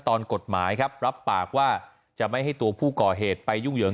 ตอนกฎหมายครับรับปากว่าจะไม่ให้ตัวผู้ก่อเหตุไปยุ่งเหยิง